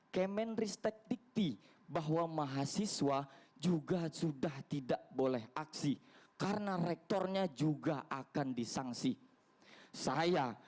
kemenristek dikti bahwa mahasiswa juga sudah tidak boleh aksi karena rektornya juga akan disangsi saya